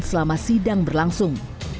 selama sidang berlangsung